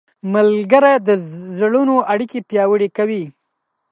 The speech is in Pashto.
ملګري د زړونو اړیکې پیاوړې کوي.